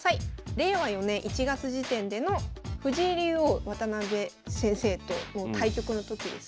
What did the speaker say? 令和４年１月時点での藤井竜王渡辺先生との対局の時ですかね。